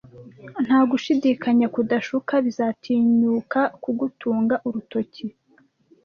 Nta gushidikanya, kudashuka bizatinyuka kugutunga urutoki,